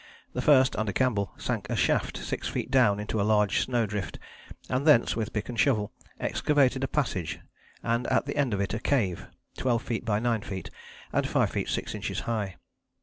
The first under Campbell sank a shaft six feet down into a large snow drift and thence, with pick and shovel, excavated a passage and at the end of it a cave, twelve feet by nine feet, and five feet six inches high.